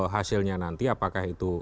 hasilnya nanti apakah itu